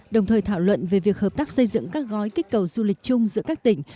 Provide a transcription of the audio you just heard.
đồng thời thảo luận về việc hợp tác xây dựng các gói kích cầu du lịch chung giữa các tỉnh